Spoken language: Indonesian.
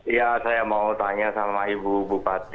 ya saya mau tanya sama ibu bupati